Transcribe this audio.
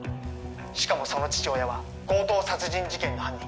しかもその父親は強盗殺人事件の犯人